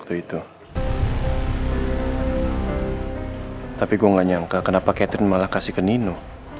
tapi gue gak nyangka kenapa catherine malah kasih ke nino